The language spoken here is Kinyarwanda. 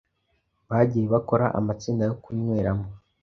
bagiye bakora amatsinda yo kunyweramo